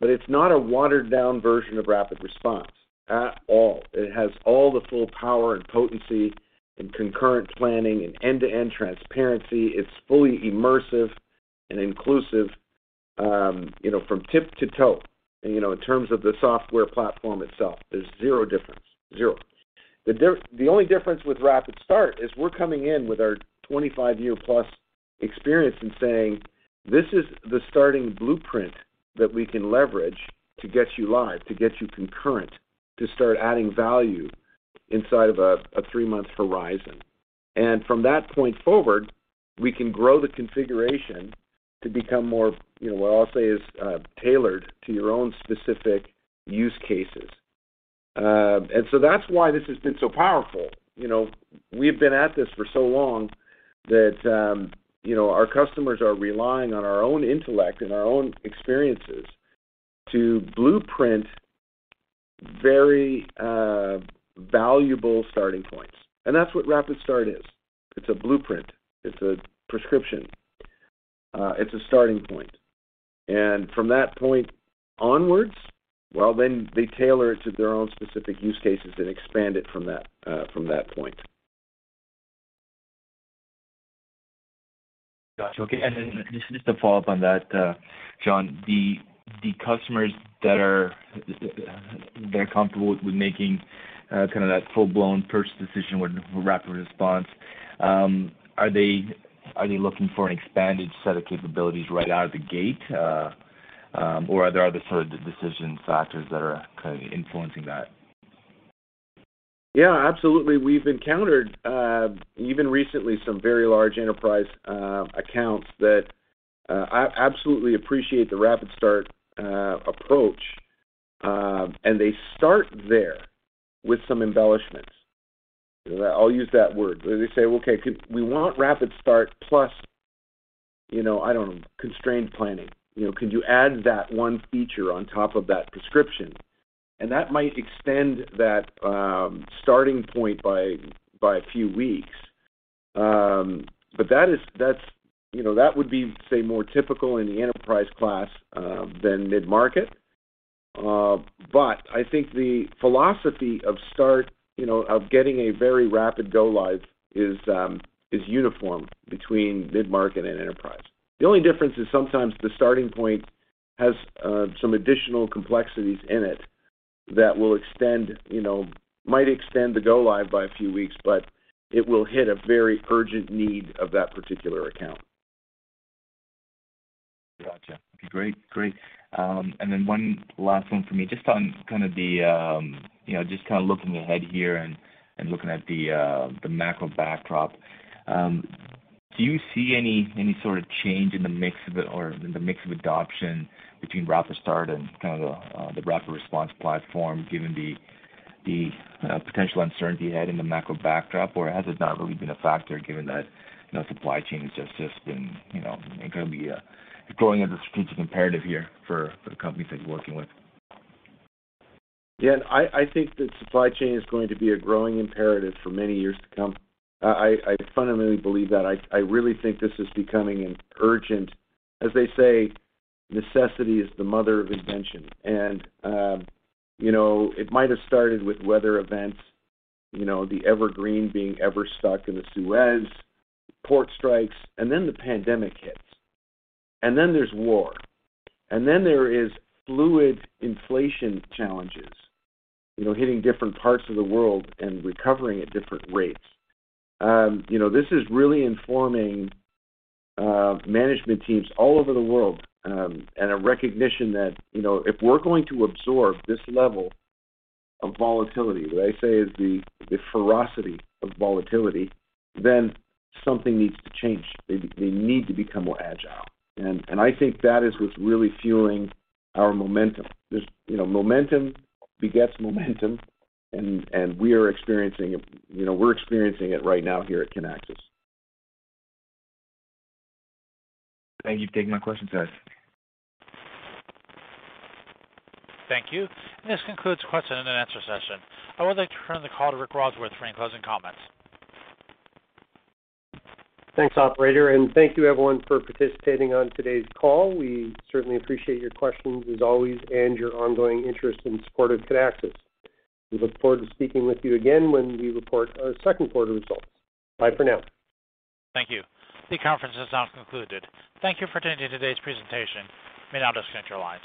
but it's not a watered-down version of RapidResponse at all. It has all the full power and potency and concurrent planning and end-to-end transparency. It's fully immersive and inclusive, you know, from tip to toe. You know, in terms of the software platform itself, there's zero difference. Zero. The only difference with RapidStart is we're coming in with our 25-year plus experience and saying, "This is the starting blueprint that we can leverage to get you live, to get you concurrent, to start adding value inside of a three-month horizon." From that point forward, we can grow the configuration to become more, you know, what I'll say is, tailored to your own specific use cases. That's why this has been so powerful. You know, we've been at this for so long that, you know, our customers are relying on our own intellect and our own experiences to blueprint very valuable starting points. That's what RapidStart is. It's a blueprint. It's a prescription. It's a starting point. From that point onwards, well, then they tailor it to their own specific use cases and expand it from that point. Got you. Okay. Just to follow up on that, John, the customers that are comfortable with making kind of that full-blown purchase decision with RapidResponse, are they looking for an expanded set of capabilities right out of the gate, or are there other sort of decision factors that are kind of influencing that? Yeah, absolutely. We've encountered even recently some very large enterprise accounts that absolutely appreciate the RapidStart approach. They start there with some embellishments. I'll use that word. They say, "Okay, We want RapidStart plus, you know, I don't know, constrained planning. You know, could you add that one feature on top of that prescription?" That might extend that starting point by a few weeks. That is more typical in the enterprise class than mid-market. You know, that would be, say, more typical in the enterprise class than mid-market. I think the philosophy of start, you know, of getting a very rapid go live is uniform between mid-market and enterprise. The only difference is sometimes the starting point has some additional complexities in it that will extend, you know, might extend the go live by a few weeks, but it will hit a very urgent need of that particular account. Gotcha. Great. And then one last one for me. Just on kind of the, you know, just kind of looking ahead here and looking at the macro backdrop, do you see any sort of change in the mix of it or in the mix of adoption between RapidStart and kind of the RapidResponse platform, given the potential uncertainty you had in the macro backdrop, or has it not really been a factor given that, you know, supply chain has just been, you know, going to be a growing as a strategic imperative here for the companies that you're working with? Yeah. I think that supply chain is going to be a growing imperative for many years to come. I fundamentally believe that. I really think this is becoming an urgent necessity is the mother of invention. You know, it might have started with weather events, you know, the Ever Given being stuck in the Suez, port strikes, and then the pandemic hits. Then there's war. Then there is fluid inflation challenges, you know, hitting different parts of the world and recovering at different rates. You know, this is really informing management teams all over the world, and a recognition that, you know, if we're going to absorb this level of volatility, what I say is the ferocity of volatility, then something needs to change. They need to become more agile. I think that is what's really fueling our momentum. There's you know, momentum begets momentum and we are experiencing it. You know, we're experiencing it right now here at Kinaxis. Thank you for taking my questions, guys. Thank you. This concludes the question and answer session. I would like to turn the call to Rick Wadsworth for any closing comments. Thanks, operator, and thank you everyone for participating on today's call. We certainly appreciate your questions as always and your ongoing interest and support of Kinaxis. We look forward to speaking with you again when we report our Q2 results. Bye for now. Thank you. The conference is now concluded. Thank you for attending today's presentation. You may now disconnect your lines.